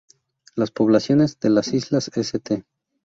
Las poblaciones de las islas St.